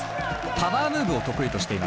パワームーブを得意としています。